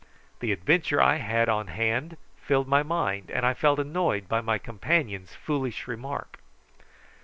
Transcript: The adventure I had on hand filled my mind, and I felt annoyed by my companion's foolish remark.